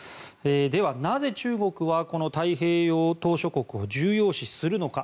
では、なぜ中国は太平洋島しょ国を重要視するのか。